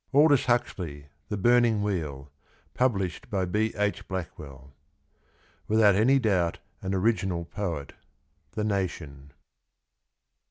Aldous Huxley. THE BURNING WHEEL Published by B. H. Blackwell. Without any doubt an original poet. — The Nation.